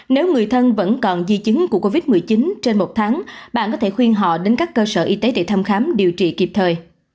nếu người thân vẫn còn di chứng của covid một mươi chín trên một tháng bạn có thể khuyên họ đến các cơ sở y tế để thăm khám điều trị kịp thời